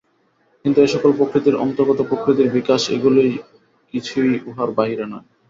কিন্তু এ-সকলই প্রকৃতির অন্তর্গত, প্রকৃতির বিকাশ, এগুলির কিছুই উহার বাহিরে নাই।